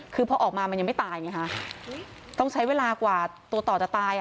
คือพอออกมามันยังไม่ตายอย่างนี้ค่ะต้องใช้เวลากว่าตัวต่อจะตาย